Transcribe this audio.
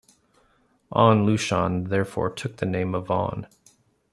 An Lushan therefore took the name of An.